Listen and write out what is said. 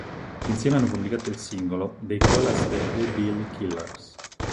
Insieme hanno pubblicato il singolo "They Call Us the Hillbilly Killers".